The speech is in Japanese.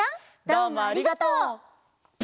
どうもありがとう！